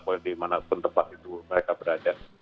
pokoknya dimanapun tempat itu mereka berada